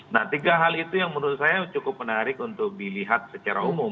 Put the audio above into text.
nah tiga hal itu yang menurut saya cukup menarik untuk dilihat secara umum